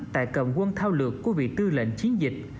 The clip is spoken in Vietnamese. tại cầm quân thao lược của vị tư lệnh chiến dịch